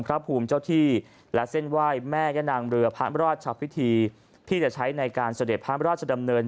พระภูมิเจ้าที่และเส้นไหว้แม่ย่านางเรือพระราชพิธีที่จะใช้ในการเสด็จพระราชดำเนิน